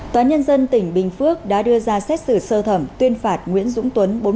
tòa nhân dân tỉnh bình phước đã đưa ra xét xử sơ thẩm tuyên phạt nguyễn dũng tuấn